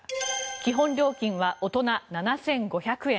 基本料金は大人、７５００円。